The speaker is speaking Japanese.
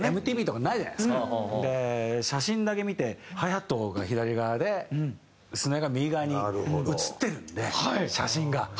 で写真だけ見てハイハットが左側でスネアが右側に写ってるんで写真が。